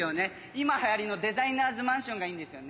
今流行りのデザイナーズマンションがいいんですよね。